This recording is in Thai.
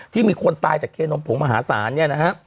มีคนตายจากเคนมผงมหาศาลเนี่ยนะฮะ